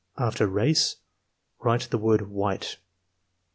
"After 'Race' write the word 'White.'"